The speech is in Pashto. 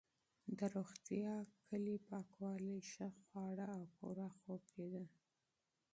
د روغتیا کلي په پاکوالي، ښه خواړه او پوره خوب کې ده.